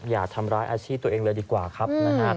อย่าทำร้ายอาชีพตัวเองเลยดีกว่าครับนะฮะ